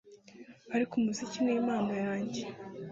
ariko umuziki ni impano yanjye